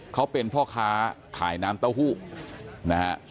เขาเป็นพ่อค้าขายน้ำเต้าหู้นะฮะ